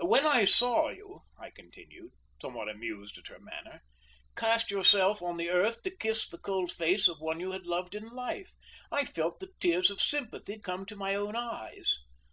"When I saw you," I continued, somewhat amused at her manner, "cast yourself on the earth to kiss the cold face of one you had loved in life, I felt the tears of sympathy come to my own eyes."